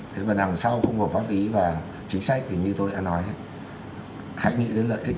cái vận hành sau khủng hộp pháp lý và chính sách như tôi đã nói hãy nghĩ đến lợi ích